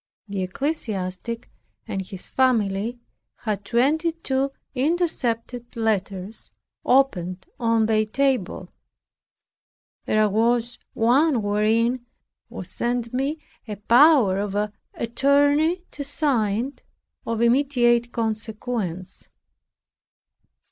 The ecclesiastic and his family had twenty two intercepted letters, opened, on their table. There was one wherein was sent me a power of attorney to sign, of immediate consequence.